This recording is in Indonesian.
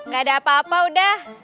gak ada apa apa udah